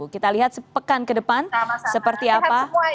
kita lihat sepekan ke depan seperti apa